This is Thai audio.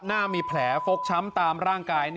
หน้ามีแผลฟกช้ำตามร่างกาย